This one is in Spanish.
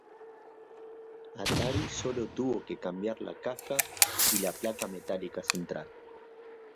Atari sólo tuvo que cambiar al caja y la placa metálica central